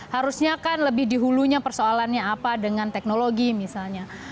harusnya kan lebih dihulunya persoalannya apa dengan teknologi misalnya